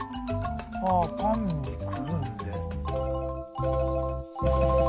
パンにくるんで。